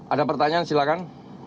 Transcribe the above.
ada pertanyaan silakan